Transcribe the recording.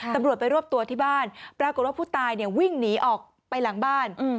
ตำรวจไปรวบตัวที่บ้านปรากฏว่าผู้ตายวิ่งหนีออกไปหลังบ้าน